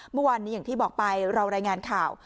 เมื่อวานนี้อย่างที่บอกไปเรารายงานข่าว